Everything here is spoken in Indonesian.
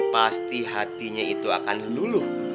pasti hatinya itu akan luluh